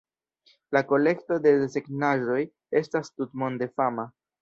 La kolekto de desegnaĵoj estas tutmonde fama.